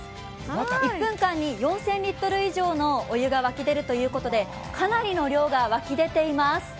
１分間に４０００リットル以上のお湯が湧き出るということでかなりの量が湧き出ています。